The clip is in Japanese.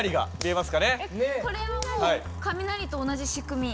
えっこれはもう雷と同じ仕組み？